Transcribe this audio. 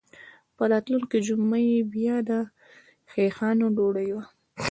په راتلونکې جمعه یې بیا د خیښانو ډوډۍ وه.